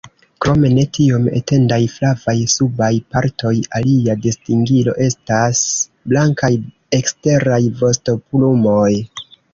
Krom ne tiom etendaj flavaj subaj partoj, alia distingilo estas blankaj eksteraj vostoplumoj.